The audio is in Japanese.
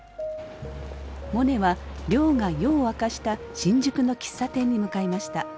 モネは亮が夜を明かした新宿の喫茶店に向かいました。